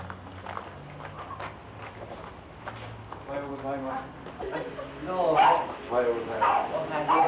おはようございます。